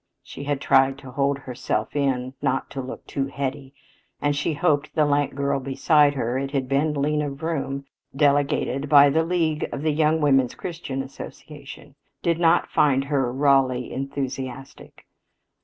She had tried to hold herself in; not to be too "heady"; and she hoped the lank girl beside her it had been Lena Vroom, delegated by the League of the Young Women's Christian Association did not find her rawly enthusiastic.